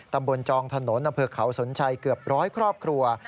จองถนนอำเภอเขาสนชัยเกือบร้อยครอบครัว